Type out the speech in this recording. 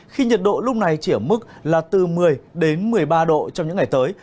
khi nhiệt độ lúc này chỉ ở mức là từ một mươi đến một mươi ba độ trong những ngày tới